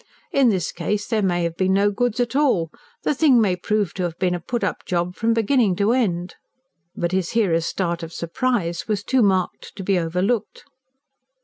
In this case, there may have been no goods at all the thing may prove to have been a put up job from beginning to end." But his hearer's start of surprise was too marked to be overlooked.